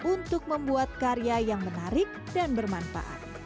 untuk membuat karya yang menarik dan bermanfaat